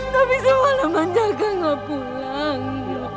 tapi semalam jaka gak pulang